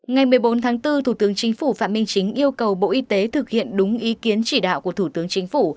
ngày một mươi bốn tháng bốn thủ tướng chính phủ phạm minh chính yêu cầu bộ y tế thực hiện đúng ý kiến chỉ đạo của thủ tướng chính phủ